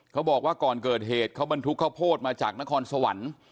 เขาบอกว่าก่อนเกิดเหตุเขาบรรทุกข้าวโพดมาจากนครสวรรค์